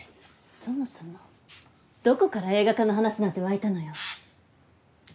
そもそもどこから映画化の話なんて湧いたのよ？